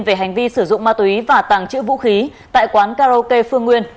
về hành vi sử dụng ma túy và tàng trữ vũ khí tại quán karaoke phương nguyên